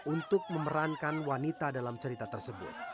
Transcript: untuk memerankan wanita dalam cerita tersebut